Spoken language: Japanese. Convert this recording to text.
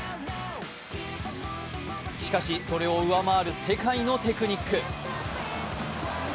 しかし、それを上回る世界のテクニック。